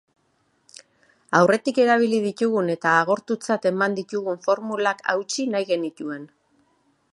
Aurretik erabili ditugun eta agortutzat eman ditugun formulak hautsi nahi genituen.